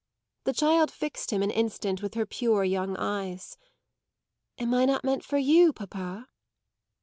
The child fixed him an instant with her pure young eyes. "Am I not meant for you, papa?"